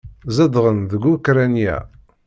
Zedɣen deg Ukṛanya.